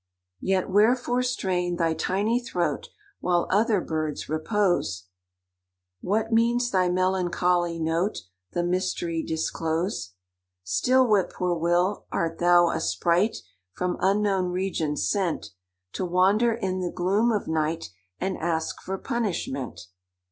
"Yet wherefore strain thy tiny throat, While other birds repose? What means thy melancholy note? The mystery disclose. "Still 'whip poor will!'—Art thou a sprite, From unknown regions sent To wander in the gloom of night, And ask for punishment?